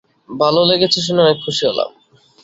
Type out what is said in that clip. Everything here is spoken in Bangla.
ভালো লেগেছে শুনে অনেক খুশি হলাম।